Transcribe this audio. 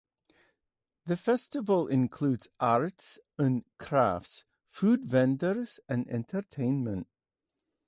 The festival includes arts and crafts, food vendors, and entertainment.